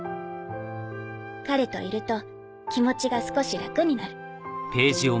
彼といると気持ちが少し楽になる」。